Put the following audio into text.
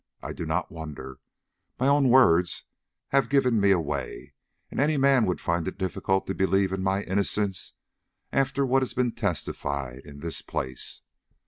I do not wonder; my own words have given me away, and any man would find it difficult to believe in my innocence after what has been testified to in this place.